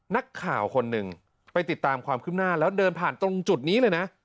นักข่าวคนหนึ่งไปติดตามความคืบหน้าแล้วเดินผ่านตรงจุดนี้เลยนะ